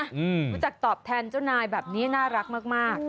รู้จักตอบแทนเจ้านายแบบนี้น่ารักมาก